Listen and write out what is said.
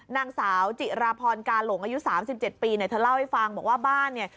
นางสาวจิราพรกาหลงอายุ๓๗ปีเนี่ยเธอเล่าให้ฟังบอกว่าบ้านเนี่ย